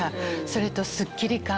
それとスッキリ感。